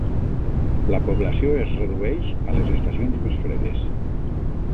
La població es redueix a les estacions més fredes.